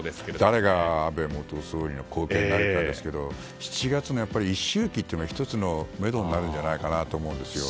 誰が安倍元総理の後継になるかですけれども７月の１周忌というのは１つのめどになるんじゃないかと思うんです。